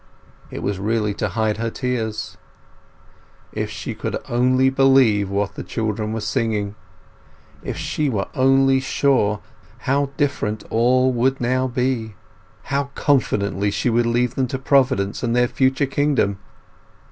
It was really to hide her tears. If she could only believe what the children were singing; if she were only sure, how different all would now be; how confidently she would leave them to Providence and their future kingdom!